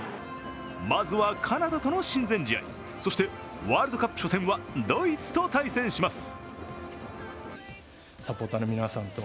まずはカナダとの親善試合、そしてワールドカップ初戦はドイツと対戦します。